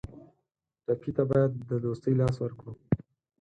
ټپي ته باید د دوستۍ لاس ورکړو.